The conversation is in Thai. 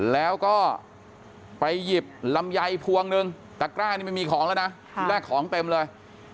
แล้วก็ไปหยิบลำไยพวงหนึ่งตะกร้านี่ไม่มีของแล้วนะที่แรกของเต็มเลย